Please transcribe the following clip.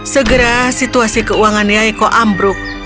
segera situasi keuangan yaiko ambruk